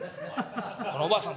「このおばあさん